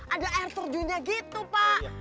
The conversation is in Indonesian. ada air terjunnya gitu pak